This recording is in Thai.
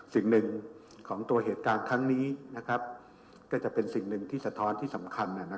สิ่งหนึ่งของตัวเหตุการณ์ครั้งนี้ก็จะเป็นสิ่งหนึ่งที่สะท้อนที่สำคัญ